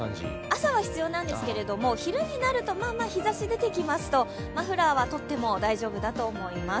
朝は必要なんですけども、昼になるとまあまあ日ざしが出てきますと、マフラーは取っても大丈夫だと思います。